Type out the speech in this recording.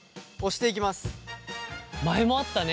前もあったね。